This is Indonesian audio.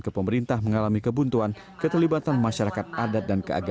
pertemuan ini adalah untuk membuat hal terjadi di tanah